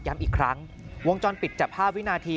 ย้ำอีกครั้งวงจรปิดจับ๕วินาที